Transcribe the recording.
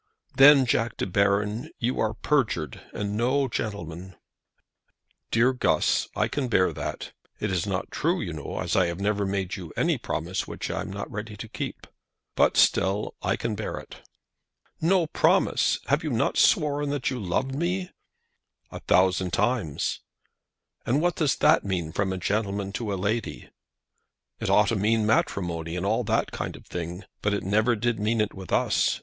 "Then, Jack De Baron, you are perjured, and no gentleman." "Dear Guss, I can bear that. It is not true, you know, as I have never made you any promise which I am not ready to keep; but still I can bear it." "No promise! Have you not sworn that you loved me?" "A thousand times." "And what does that mean from a gentleman to a lady?" "It ought to mean matrimony and all that kind of thing, but it never did mean it with us.